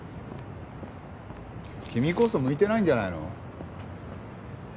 君こそ向いてないんじゃないの？